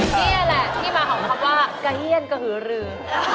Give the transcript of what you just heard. นี่แหละที่มาของคำว่ากระเฮียนกระหือรือ